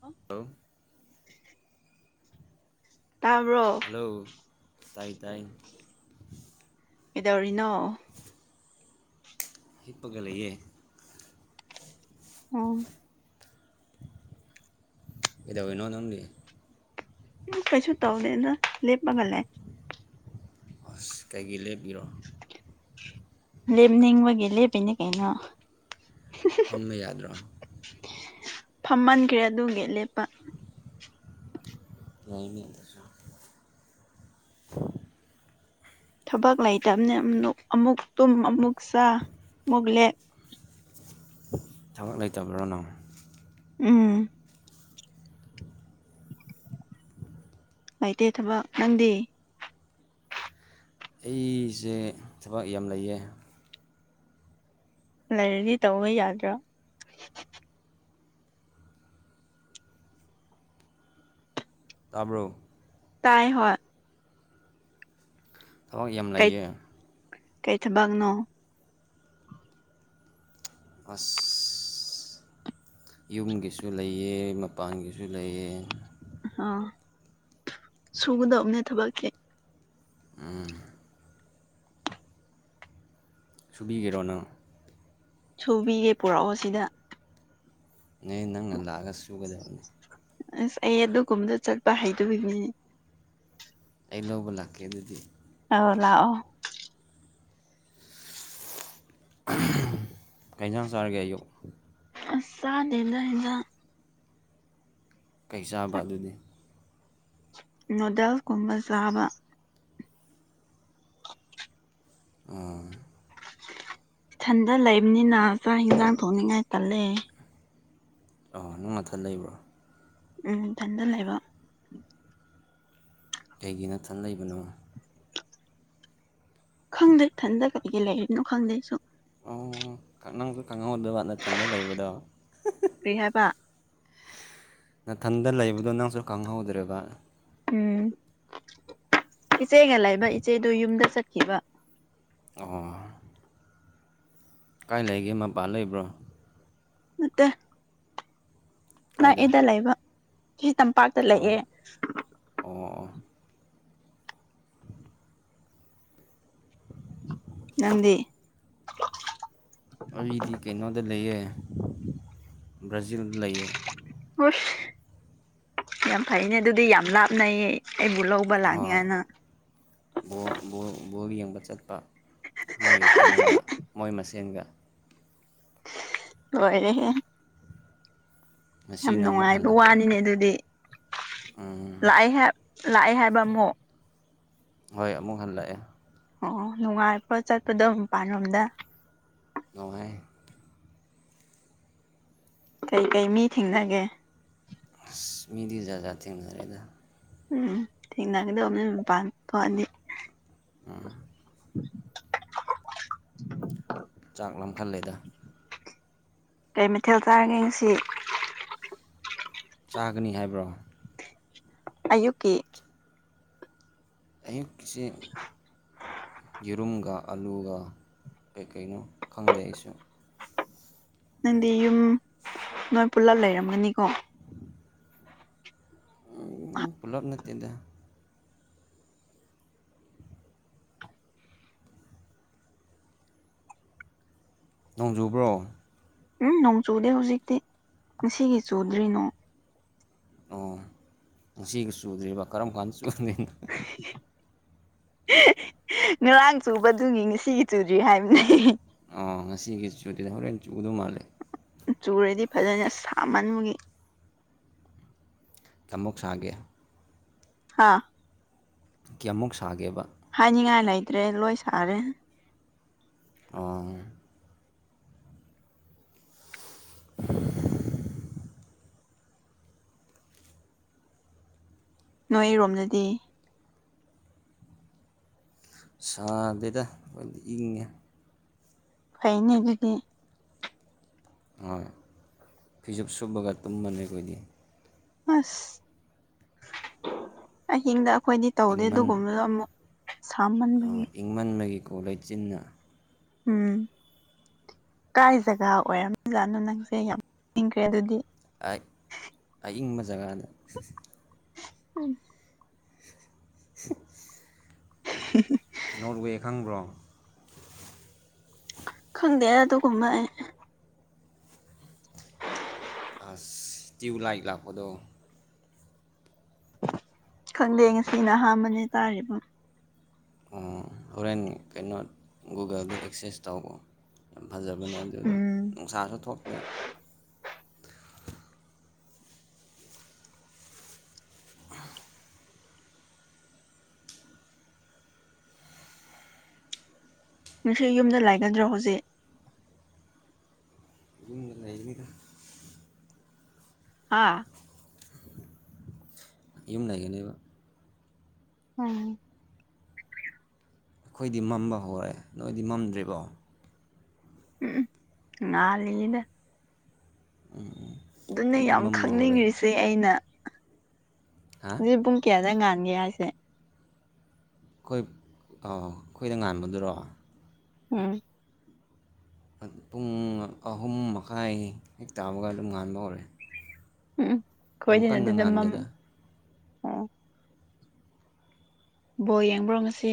ꯑꯣ ꯑ [unintelligible] [unintelligible] ꯇꯥꯕ꯭ꯔꯣ ꯍꯜꯂꯣ ꯇꯥꯏ ꯇꯥꯏ ꯑꯦꯗꯧꯔꯤꯅꯣ ꯍꯤꯞꯄꯒ ꯂꯩꯌꯦ ꯑꯣ ꯏꯗꯧꯔꯤꯅꯣ ꯅꯪꯗꯤ ꯎꯝ ꯀꯩꯁꯨ ꯇꯧꯗꯦꯅ ꯂꯦꯞꯄꯒ ꯂꯩ ꯑꯁ ꯀꯩꯀꯩ ꯂꯦꯞꯄꯤꯔꯣ ꯂꯦꯞꯅꯤꯡꯕꯒꯤ ꯂꯦꯞꯄꯤꯅꯦ ꯀꯩꯅꯣ ꯐꯝꯕ ꯌꯥꯗ꯭ꯔꯣ ꯐꯝꯍꯟꯈ꯭ꯔꯦ ꯑꯗꯨꯒꯤ ꯂꯦꯞꯄ ꯌꯥ ꯊꯕꯛ ꯂꯩꯇꯕꯅꯤ ꯑꯃꯨꯛ ꯇꯨꯝ ꯑꯃꯨꯛ ꯆꯥ ꯑꯃꯨꯛ ꯂꯦꯞ ꯊꯕꯛ ꯂꯩꯇꯕ꯭ꯔꯥꯅꯪ ꯎꯝ ꯂꯩꯇꯦ ꯊꯕꯛ ꯅꯪꯗꯤ ꯑꯩꯁꯦ ꯊꯕꯛ ꯌꯥꯝ ꯂꯩꯌꯦ ꯂꯩꯥꯔꯗꯤ ꯇꯧꯕ ꯌꯥꯗ꯭ꯔꯣ ꯇꯥꯕ꯭ꯔꯣ ꯇꯥꯏ ꯍꯣꯢ ꯊꯕꯛ ꯌꯥꯝ ꯀꯩ ꯂꯩꯌꯦ ꯀꯩ ꯊꯕꯛꯅꯣ ꯑꯁ ꯌꯨꯝꯒꯤꯁꯨ ꯂꯩꯌꯦ ꯃꯄꯥꯟꯒꯤꯁꯨ ꯂꯩꯌꯦ ꯑ ꯁꯨꯒꯗꯕꯅꯦ ꯊꯕꯛꯀꯤ ꯑ ꯁꯨꯕꯤꯒꯦꯔꯣꯅꯪ ꯁꯨꯕꯤꯒꯦ ꯄꯨꯔꯛꯑꯣ ꯁꯤꯗ ꯅ ꯅꯪꯅ ꯂꯥꯛꯑꯒ ꯁꯨꯒꯗꯕ ꯑꯁ ꯑꯩ ꯑꯗꯨꯒꯨꯝꯕꯗ ꯆꯠꯄ ꯍꯥꯏꯩꯗꯒꯤꯅꯦ ꯑꯩ ꯂꯧꯕ ꯂꯥꯛꯀꯦ ꯑꯗꯨꯗꯤ ꯇꯣ ꯂꯥꯛꯑꯣ ꯀꯩꯖꯥꯡ ꯁꯥꯔꯒ ꯑꯌꯨ ꯑꯁꯥꯗꯗ ꯍꯗ ꯀꯩ ꯆꯥꯕ ꯑꯗꯨꯗꯤ ꯅꯨꯗꯜꯁ ꯀꯨꯝꯕ ꯆꯥꯕ ꯑ ꯏꯊꯟꯗ ꯂꯩꯕꯅꯤꯅ ꯆꯥꯛ ꯏꯟꯁꯥꯡ ꯊꯣꯡꯅꯤꯡꯉꯥꯏ ꯇꯜꯂꯦ ꯑ ꯅꯪ ꯃꯊꯠ ꯂꯩꯕ꯭ꯔꯣ ꯎꯝ ꯀꯦꯟꯗ ꯂꯩꯕ ꯀꯒꯤ ꯅꯠꯇꯅ ꯂꯩꯕꯅꯣ ꯈꯪꯗꯦ ꯏꯊꯟꯗ ꯀꯩ ꯀꯩ ꯂꯩꯔꯤꯅꯣ ꯈꯪꯗꯦ ꯁ ꯑꯣ ꯅꯪꯁꯨ ꯈꯪꯍꯧꯗꯧꯕ ꯅꯥꯊꯟꯗ ꯂꯩꯕꯗꯣ ꯀꯔꯤ ꯍꯥꯏꯕ ꯅꯥꯊꯟꯗ ꯂꯩꯕꯗꯣ ꯅꯪꯁꯨ ꯈꯪꯍꯧꯗ꯭ꯔꯦꯕ ꯎꯝ ꯏꯆꯦꯒ ꯂꯩꯕ ꯏꯆꯦꯗꯨ ꯌꯨꯝꯗ ꯆꯠꯈꯤꯕ ꯑꯣ ꯀꯥꯏ ꯂꯩꯒꯦ ꯃꯄꯥ ꯂꯩꯕ꯭ꯔꯣ ꯃꯦ ꯅꯅꯥ ꯀꯥꯏꯗ ꯏꯂ ꯏꯕ ꯁꯤ ꯇꯝꯄꯥꯛꯇ ꯂꯑꯦ ꯑꯣ ꯑꯣ ꯑꯣ ꯅꯗꯤ ꯑꯩꯗꯤ ꯀꯩꯅꯣꯗ ꯂꯩꯌꯦ ꯕ꯭ꯔꯥꯖꯤꯜꯗ ꯂꯩꯑ ꯌꯥꯝ ꯐꯩꯅꯦ ꯑꯗꯨꯗꯤ ꯌꯥꯝ ꯂꯥꯞꯅꯩꯌꯦ ꯑꯩꯕꯨꯂꯕ ꯍꯣꯏ ꯂꯒꯦꯦꯅ ꯐꯨꯠꯕꯣꯜ ꯌꯦꯡꯕ ꯆꯠꯄ ꯃꯣꯏ ꯀꯩꯅꯣꯒ ꯃꯣꯏ ꯃꯁꯦꯟꯒ ꯂꯣꯏꯔꯦꯍꯦ ꯌꯥꯝ ꯉꯁꯤꯅ ꯑꯃꯨꯛ ꯅꯨꯡꯉꯥꯏꯕ ꯍꯜꯂꯛꯄ ꯋꯥꯅꯤꯅꯦ ꯑꯗꯨꯗꯤ ꯎꯝ ꯂꯥꯛꯑꯦ ꯍꯦ ꯂꯥꯛꯑꯦ ꯍꯥꯏꯕ ꯑꯃꯨꯛ ꯍꯣꯏ ꯑꯃꯨꯛ ꯍꯜꯂꯛꯑꯦ ꯑꯣ ꯅꯨꯡꯉꯥꯏꯕ꯭ꯔꯣ ꯆꯠꯄꯗꯣ ꯃꯄꯥꯟ ꯂꯝꯗ ꯅꯨꯡꯉꯥꯏꯌꯦ ꯀꯩ-ꯀꯩ ꯃꯤ ꯊꯦꯡꯅꯒꯦ ꯑꯁ ꯃꯤꯗꯤ ꯖꯥꯠ-ꯖꯥꯠ ꯊꯦꯡꯅꯔꯛꯑꯦꯗꯥ ꯎꯝ ꯊꯦꯡꯅꯒꯗꯧꯕꯅꯦ ꯃꯄꯥꯟ ꯊꯣꯛ ꯑꯗꯤ [unintelligible] ꯃꯥꯡꯍꯜꯂꯦꯗ ꯀꯩ ꯃꯊꯦꯜ ꯆꯥꯔꯒꯦ ꯉꯥꯁꯤ ꯆꯥꯒꯅꯤ ꯍꯥꯏꯕ꯭ꯔꯣ ꯑꯌꯨꯛꯀꯤ ꯑꯌꯨꯛꯀꯤꯁꯦ ꯌꯦꯔꯨꯝꯒꯥ ꯑꯥꯂꯨꯒ ꯀꯩ ꯀꯩꯅꯣ ꯈꯪꯗꯦ ꯑꯩꯁꯨ ꯅꯪꯗꯤ ꯌꯨꯝ ꯅꯣꯏ ꯄꯨꯜꯂꯞ ꯂꯩꯔꯝꯒꯅꯤꯀꯣ ꯄꯨꯜꯂꯞ ꯅꯠꯇꯦꯗ ꯅꯣꯡ ꯆꯨꯕ꯭ꯔꯣ ꯎꯝ ꯅꯣꯡ ꯆꯨꯗꯦ ꯍꯧꯖꯤꯛꯇꯤ ꯉꯁꯤꯒꯤ ꯆꯨꯗ꯭ꯔꯤ ꯅꯣꯡ ꯑꯣ ꯉꯁꯤꯒꯤ ꯆꯨꯗ꯭ꯔꯤꯕ ꯀꯔꯝ ꯀꯥꯟꯗ ꯆꯨꯗꯣꯏꯅꯣ ꯉꯔꯥꯡ ꯆꯨꯕꯗꯨꯒꯤ ꯉꯁꯤꯒꯤ ꯆꯨꯗ꯭ꯔꯤ ꯍꯥꯏꯕꯅꯦ ꯑꯣ ꯉꯁꯤꯒꯤ ꯆꯨꯗ꯭ꯔꯥꯗꯤ ꯍꯣꯔꯦꯟ ꯆꯨꯗꯧ ꯃꯥꯜꯂꯦ ꯆꯨꯔꯗꯤ ꯐꯖꯅ ꯁꯥꯃꯟꯕꯒꯤ ꯀꯌꯥꯃꯨꯛ ꯁꯥꯒꯦ ꯍꯥꯥ ꯀꯌꯥꯃꯨꯛ ꯁꯥꯒꯦꯕ ꯍꯥꯏꯅꯤꯡꯉꯥꯏ ꯂꯩꯇ꯭ꯔꯦ ꯂꯣꯏ ꯁꯥꯔꯦ ꯑꯣ [unintelligible] ꯅꯣꯏꯔꯣꯝꯗꯗꯤ ꯁꯥꯗꯦꯗ ꯑꯩꯈꯣꯏꯗꯤ ꯏꯪꯉꯦ ꯐꯩꯅꯦ ꯑꯗꯨꯗꯤ ꯍꯣꯏ ꯐꯩꯖꯨꯞ ꯁꯨꯞꯄꯒ ꯇꯨꯝꯕꯅꯦ ꯑꯩꯈꯣꯏꯗꯤ ꯑꯁ ꯑꯍꯤꯡꯗ ꯑꯩꯈꯣꯏꯗꯤ ꯇꯧꯗꯦ ꯏꯪꯃꯟ ꯑꯗꯨꯒꯨꯝꯕꯗꯣ ꯑꯃꯨꯛ ꯁꯥꯃꯟꯕꯒꯤ ꯀꯣ ꯂꯩꯆꯤꯟꯅ ꯎꯝ ꯀꯥꯏ ꯖꯒꯥ ꯑꯣꯏꯔꯝꯖꯥꯠꯅꯣ ꯅꯪꯁꯦ ꯌꯥꯝ ꯏꯪꯈ꯭ꯔꯦ ꯑꯗꯨꯗꯤ ꯑꯏꯪꯕ ꯖꯒꯥꯗ ꯎꯝ [unintelligible] [unintelligible] ꯅꯣꯔꯋꯦ ꯈꯪꯕ꯭ꯔꯣ ꯈꯪꯗꯦꯗ ꯑꯗꯨꯒꯨꯝꯕ ꯑꯩ ꯥꯑꯁ ꯇ꯭ꯌꯨꯚꯂꯥꯏꯠ ꯂꯥꯛꯄꯗꯣ ꯈꯪꯗꯦ ꯉꯁꯤꯅ ꯑꯍꯥꯥꯟꯕꯅꯦ ꯇꯥꯔꯤꯕ ꯑꯣ ꯍꯣꯔꯦꯟ ꯀꯩꯅꯣ ꯒꯨꯒꯜꯗ ꯑꯦꯛꯁꯦꯁ ꯇꯧꯑꯣ ꯐꯖꯕꯅꯦ ꯑꯗꯨꯗꯣ ꯎꯝ ꯅꯨꯡꯁꯥꯁꯨ ꯊꯣꯛꯇꯦ ꯑ [unintelligible] ꯅꯨꯡꯁꯤ ꯌꯨꯝꯗ ꯂꯥꯏꯒꯗ꯭ꯔꯣ ꯍꯧꯖꯤꯛ ꯑꯗꯨ ꯂꯩ ꯂꯩꯅꯤꯗ ꯑꯥ ꯌꯨꯝ ꯂꯩꯒꯅꯦꯕ ꯎꯝ ꯑꯩꯈꯣꯏꯗꯤ ꯃꯝꯕ ꯍꯧꯔꯦ ꯅꯣꯏꯗꯤ ꯃꯝꯗ꯭ꯦꯔꯤꯕꯣ ꯎꯝ ꯉꯗ ꯑꯗꯨꯅ ꯑꯩꯈꯣꯏꯗꯤ ꯌꯥꯝ ꯃꯝꯕ ꯍꯧꯔꯦ ꯈꯪꯅꯤꯡꯉꯔꯤꯁꯦ ꯑꯩꯅ ꯍꯥ ꯁꯤ ꯄꯨꯡ ꯀꯌꯥꯗ ꯉꯥꯟꯒꯦ ꯍꯥꯏꯁꯦ ꯑꯩꯈꯣꯏ ꯑꯩꯈꯣꯏꯗ ꯉꯥꯟꯕꯗꯨꯔꯣ ꯎꯝ ꯄꯨꯡ ꯑꯍꯨꯝ ꯃꯈꯥꯏ ꯍꯦꯛ ꯇꯥꯕꯒ ꯑꯗꯨꯝ ꯉꯥꯟꯕ ꯍꯧꯔꯦ ꯎꯝ ꯌꯥꯝ ꯈꯣꯏꯗꯅ ꯀꯟꯅ ꯑꯗꯨꯗ ꯉꯥꯟꯗꯦꯗ ꯑꯣ ꯕꯣ ꯌꯦꯡꯕ꯭ꯔꯣ ꯉꯁꯤ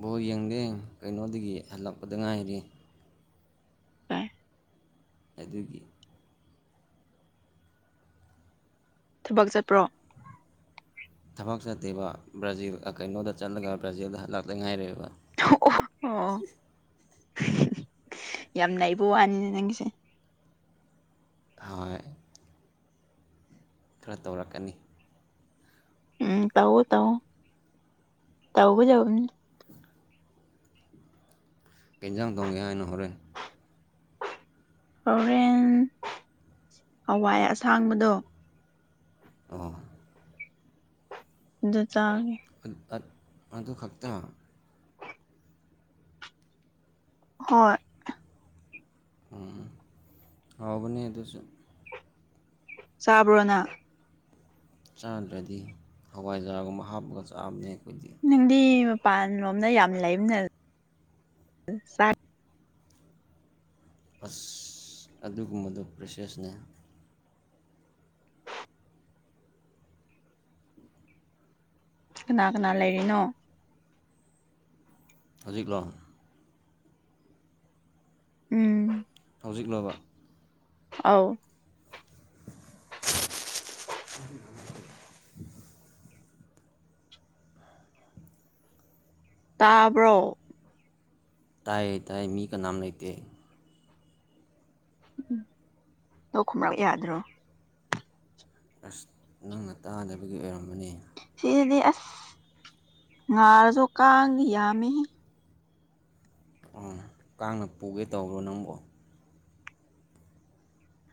ꯕꯣ ꯌꯦꯡꯗꯦ ꯀꯩꯅꯣꯗꯒꯤ ꯍꯜꯂꯛꯄꯗ ꯉꯥꯏꯔꯤ ꯑꯗꯨꯒꯤ ꯊꯕꯛ ꯆꯠꯄ꯭ꯔꯣ ꯊꯕꯛ ꯆꯠꯇꯦꯕ ꯕ꯭ꯔꯥꯖꯤꯜ ꯀꯩꯅꯣꯗ ꯆꯠꯂꯒ ꯕ꯭ꯔꯥꯖꯤꯜꯗ ꯂꯥꯛꯇ ꯉꯥꯏꯔꯦꯕ ꯑ [unintelligible] [inaudible] ꯌꯥꯝ ꯂꯩꯕ ꯋꯥꯅꯤꯅꯦ ꯅꯪꯒꯤꯁꯦ ꯍ [unintelligible] [inaudible] ꯈꯔ ꯇꯧꯔꯛꯀꯅꯤ ꯎꯝ ꯇꯎ ꯇꯑꯣꯣ ꯇꯎꯒ ꯌꯥ ꯀꯩ ꯌꯦꯟꯖꯥꯡ ꯊꯣꯡꯒꯦ ꯍꯥꯏꯅꯣ ꯍꯣꯔꯦꯟ ꯍꯣꯔꯦꯟ ꯍꯋꯥꯏ ꯑꯁꯥꯡꯕꯗꯣ ꯑꯣ ꯑꯗꯨ ꯆꯥꯒꯦ ꯑꯗꯨ ꯈꯛꯇ ꯍꯣꯏ ꯎꯝ ꯍꯥꯎꯕꯅꯦ ꯑꯗꯨꯨꯁꯨ ꯆꯥꯕ꯭ꯔꯣ ꯅꯪ ꯆꯥꯗ꯭ꯔꯗꯤ ꯍꯋꯥꯏꯖꯥꯔꯒꯨꯝꯕ ꯍꯥꯞꯄꯒ ꯆꯥꯕꯅꯦ ꯑꯩꯈꯣꯏꯗꯤ ꯅꯪꯗꯤ ꯃꯄꯥꯟꯂꯣꯝꯗ ꯌꯥꯝ ꯂꯩꯕꯅꯦ ꯆꯥꯛ ꯑꯁ ꯑꯗꯨꯒꯨꯝꯕꯗꯣ ꯄ꯭ꯔꯦꯁꯦꯁꯅꯦ ꯀꯅꯥ ꯀꯅꯥ ꯂꯩꯔꯤꯅꯣ ꯍꯧꯖꯤꯛꯂꯣ ꯎꯝ ꯍꯧꯖꯤꯛꯂꯣꯕ ꯑꯥꯎ [unintelligible] ꯇꯥꯕ꯭ꯔꯣ ꯇꯥꯏꯌꯦ ꯇꯥꯏꯌꯦ ꯃꯤ ꯀꯥꯅꯝ ꯂꯩꯇꯦ ꯎꯝ ꯈꯨꯝꯔꯛ ꯌꯥꯗ꯭ꯔꯣ ꯑꯁ ꯅꯪꯅ ꯇꯥꯗꯅꯕꯒꯤ ꯑꯣꯏꯔꯝꯃꯅꯤ ꯁꯤꯗꯤ ꯑꯁ ꯉꯥꯔꯁꯨ ꯀꯥꯡꯗꯤ ꯌꯥꯝꯃꯤꯍꯦ ꯑꯣ ꯀꯥꯡꯅ ꯄꯨꯒꯦ ꯇꯧꯕ꯭ꯔꯣ ꯅꯪꯕꯣ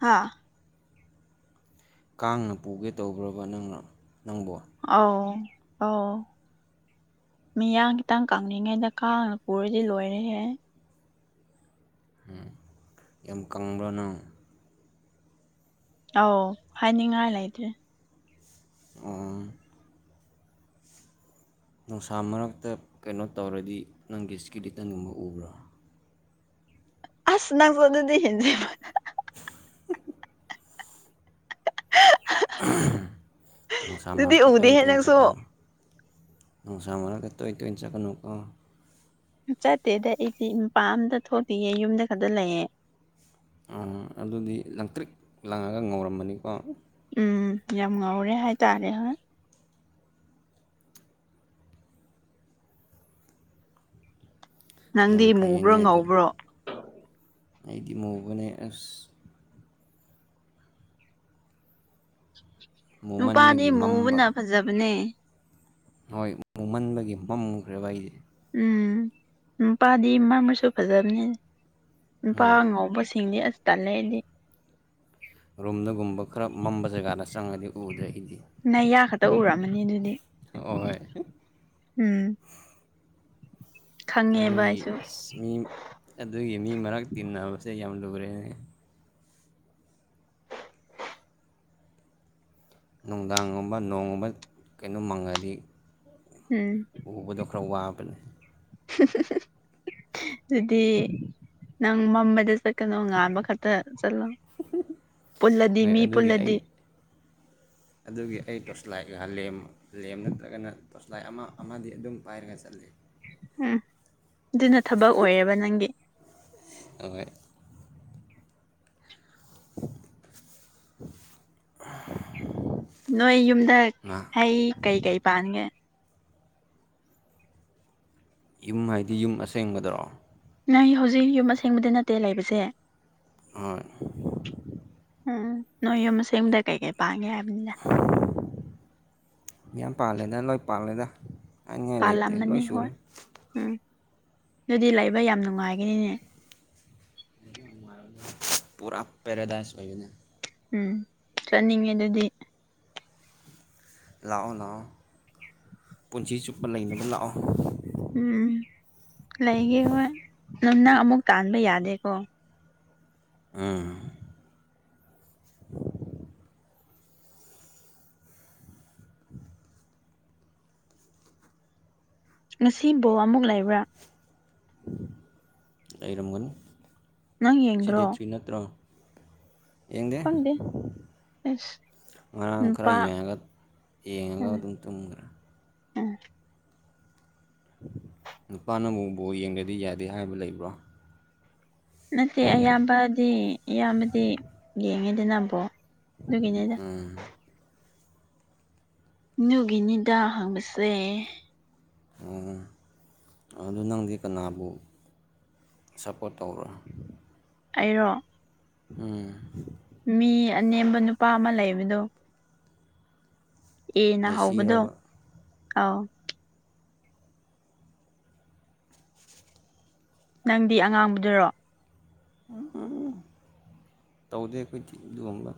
ꯍꯥꯥ ꯀꯥꯡꯅ ꯄꯨꯒꯦ ꯇꯧꯕ꯭ꯔꯕ ꯅꯪꯅ ꯅꯪꯕꯣ ꯑꯥꯎ ꯑꯥꯎ ꯃꯤꯌꯥꯡ ꯈꯤꯇꯪ ꯀꯪꯂꯤꯉꯩꯗ ꯀꯥꯡꯅ ꯄꯨꯔꯗꯤ ꯂꯣꯏꯔꯦꯍꯦ ꯌꯥꯝ ꯀꯪꯕ꯭ꯔꯥ ꯅꯪ ꯑꯧ ꯍꯥꯏꯅꯤꯡꯉꯥꯏ ꯂꯩꯇ꯭ꯔꯦ ꯑꯣ ꯅꯨꯡꯁꯥ ꯃꯔꯛꯇ ꯀꯩꯅꯣ ꯇꯧꯔꯗꯤ ꯅꯪꯒꯤ ꯏꯁꯀꯤꯂꯤꯇꯟꯒꯨꯝꯕ ꯎꯕ꯭ꯔꯣ ꯑꯁ ꯅꯪꯁꯨ ꯑꯗꯨꯗꯤ ꯍꯦꯟꯃꯟ ꯅꯨꯡꯁꯥ ꯑꯗꯨꯗꯤ ꯃꯥꯔꯛꯇ ꯇꯣꯢ ꯎꯗꯦꯍꯦ ꯇꯣꯢꯅ ꯅꯪꯁꯨ ꯆꯠꯀꯅꯣ ꯅꯨꯡꯁꯥ ꯃꯔꯥꯛꯇ ꯇꯣꯢ ꯇꯣꯢꯅ ꯆꯠꯀꯅꯨꯀꯣ ꯆꯠꯇꯦꯗ ꯑꯩꯗꯤ ꯃꯄꯥꯥꯟ ꯑꯝꯇ ꯊꯣꯛꯇꯦꯌꯦ ꯌꯨꯝꯗ ꯈꯛꯇ ꯂꯩꯌꯦ ꯑꯗꯨꯗꯤ ꯂꯪꯇ꯭ꯔꯤꯛ ꯂꯪꯉꯒ ꯉꯧꯔꯝꯃꯅꯤꯀꯣ ꯎꯝ ꯌꯥꯝ ꯉꯧꯔꯦ ꯍꯥꯏꯇꯥꯔꯦ ꯍꯣꯏ ꯅꯪꯗꯤ ꯌꯥꯝ ꯃꯨꯕ꯭ꯔꯣ ꯐꯩꯌꯦꯅꯦ ꯑꯗꯨ ꯉꯧꯕ꯭ꯔꯣ ꯑꯩꯗꯤ ꯃꯨꯕꯅꯦ ꯅꯨꯄꯥꯗꯤ ꯃꯨꯃꯟꯕꯒꯤ ꯃꯝꯕ ꯃꯨꯕꯅ ꯐꯖꯕꯅꯦ ꯍꯣꯏ ꯃꯨꯃꯟꯕꯒꯤ ꯃꯝꯈ꯭ꯔꯦꯕ ꯑꯩꯁꯦ ꯎꯝ ꯅꯨꯄꯥꯗꯤ ꯃꯝꯃꯁꯨ ꯐꯖꯕꯅꯤ ꯅꯨꯄꯥ ꯍꯣꯏ ꯉꯧꯕꯁꯤꯡꯗꯤ ꯑꯁ ꯇꯜꯂꯦ ꯑꯩꯗꯤ ꯔꯨꯝꯗꯒꯨꯝꯕ ꯈꯔ ꯃꯝꯕ ꯖꯒꯥꯗ ꯆꯪꯉꯗꯤ ꯎꯗ꯭ꯔꯦ ꯑꯩꯗꯤ ꯅꯌꯥ ꯈꯛꯇ ꯎꯔꯝꯃꯅꯤ ꯑꯗꯨꯗꯤ ꯍꯣꯏ ꯎꯝ ꯈꯪꯉꯦꯕ ꯑꯗꯨꯒꯤ ꯑꯩꯁꯨ ꯃꯤ ꯑꯗꯨꯒꯤ ꯃꯤ ꯃꯔꯛ ꯇꯤꯟꯅꯕꯁꯦ ꯌꯥꯝ ꯂꯨꯔꯦꯅꯦ ꯅꯨꯡꯗꯥꯡꯒꯨꯝꯕ ꯅꯣꯡꯒꯨꯝꯕ ꯀꯩꯅꯣꯝ ꯃꯪꯉꯗꯤ ꯎꯝ ꯎꯕꯗꯣ ꯈꯔ ꯋꯥꯕꯅꯦ [inaudible] ꯑꯗꯨꯗꯤ ꯅꯪ ꯃꯝꯕꯗ ꯆꯠꯀꯅꯣ ꯉꯥꯟꯕ ꯈꯛꯇ ꯄꯨꯜꯂꯗꯤ ꯍꯣꯏ ꯃꯤ ꯑꯗꯨꯒꯤ ꯄꯨꯜꯂꯗꯤ ꯑꯩ ꯑꯗꯨꯒꯤ ꯑꯩ ꯇꯣꯁꯂꯥꯏꯒ ꯂ ꯂꯦꯝ ꯅꯠꯇ꯭ꯔꯒꯅ ꯇꯣꯁꯂꯥꯏ ꯑꯃ ꯑꯃꯗꯤ ꯑꯗꯨꯝ ꯄꯥꯏꯔꯒ ꯆꯠꯂꯤ ꯎꯝ ꯑꯗꯨꯅ ꯊꯕꯛ ꯑꯣꯏꯌꯦꯕ ꯅꯪꯒꯤ ꯑꯣꯏ ꯑ ꯅꯣꯏ ꯌꯨꯝꯗ ꯍ ꯀꯩꯀꯩ ꯄꯥꯒꯦ ꯌꯨꯝ ꯍꯥꯏꯗꯤ ꯌꯨꯝ ꯑꯁꯦꯡꯕꯗꯔꯣ ꯅꯪ ꯍꯧꯖꯤꯛ ꯌꯨꯝ ꯑꯁꯦꯡꯕꯗꯤ ꯅꯠꯇꯦ ꯂꯩꯕꯁꯦ ꯍꯣꯏ ꯎꯝ ꯅꯣꯏ ꯌꯨꯝ ꯃ ꯁꯦꯝꯗ ꯀꯩ ꯀꯩ ꯄꯥꯡꯒꯦ ꯍꯥꯏꯕ ꯂ ꯃ ꯄꯥꯜꯂꯦꯗ ꯂꯣꯏ ꯄꯥꯜꯂꯦꯗ ꯍꯥꯏꯅꯤꯡꯉꯥꯏ ꯂꯩꯇ꯭ꯔꯦ ꯄꯜꯥꯅꯤ ꯂꯣꯏ ꯍ ꯁꯨꯔꯦ ꯎꯝ ꯑꯗꯨꯗꯤ ꯂꯩꯥꯛꯕ ꯌꯥꯝ ꯅꯨꯡꯉꯥꯏꯒꯅꯤꯅꯦ ꯄꯨꯔꯥ ꯄꯦꯔꯥꯗꯥꯏꯁ ꯑꯣꯏꯌꯅꯦ ꯎꯝ ꯆꯠꯅꯤꯡꯉꯦ ꯑꯗꯨꯗꯤ ꯂꯥꯛꯑꯣ ꯂꯅꯥꯑꯣ ꯄꯨꯨꯟꯁꯤ ꯆꯨꯞ ꯎꯝ ꯂꯩꯥꯏꯒ ꯍꯣꯏ ꯅꯝꯅ ꯑꯃꯨꯛ ꯇꯥꯟꯕ ꯌꯥꯗꯦꯀꯣ ꯑꯝ [inaudible] ꯉꯁꯤꯕꯨ ꯑꯃꯨꯛ ꯂꯩꯕ꯭ꯔꯥ ꯂꯩꯔꯝꯒꯅꯤ ꯅꯪ ꯌꯦꯡꯗ꯭ꯔꯣ ꯁꯤꯗꯦ ꯊ꯭ꯔꯤ ꯅꯠꯇ꯭ꯔꯣ ꯏꯡꯒꯦ ꯈꯪꯗꯦ ꯑꯁ ꯉꯔꯥꯡ ꯈꯔ ꯅꯨꯄꯥ ꯌꯦꯡꯉꯒ ꯌꯦꯡꯉꯒ ꯎꯝ ꯑꯗꯨꯝ ꯇꯨꯝꯈ꯭ꯔꯦ ꯎꯝ ꯅꯨꯄꯥꯅꯕꯨ ꯕꯣꯟ ꯌꯦꯡꯒꯗꯤ ꯌꯥꯗꯦ ꯍꯥꯏꯕ ꯂꯩꯕ꯭ꯔꯣ ꯅꯠꯇꯦ ꯑꯌꯥꯝꯕꯗꯤ ꯑꯌꯥꯝꯕꯗꯤ ꯌꯦꯡꯉꯦꯗꯅ ꯕꯣꯟ ꯗꯨ ꯑꯗꯨꯒꯅꯤꯗ ꯑꯗꯨꯒꯤꯅꯤꯗ ꯍꯪꯕꯁꯦ ꯎꯝ ꯑꯗꯨ ꯅꯪꯗꯤ ꯀꯅꯥꯕꯨ ꯁꯞꯄꯣꯔꯠ ꯇꯧꯕꯔꯥ ꯑꯩꯔꯣ ꯑꯩꯗꯤ ꯎꯝ ꯅꯪꯗꯤ ꯃꯤ ꯑꯅꯦꯝꯕ ꯅꯨꯄꯥ ꯑꯃ ꯂꯩꯕꯗꯣ ꯈꯪꯕꯔꯥ ꯑꯦ ꯅꯥ ꯍꯧꯕꯗꯨꯅꯤ ꯃꯦꯁꯤꯔꯕ ꯑꯥꯎ ꯎꯝ ꯅꯪꯗꯤ ꯑꯉꯥꯡꯕꯗꯨꯔꯣ ꯎꯝ ꯇꯧꯗꯦ ꯑꯩꯈꯣꯏꯗꯤ ꯑꯗꯨꯒꯨꯝꯕꯥꯗ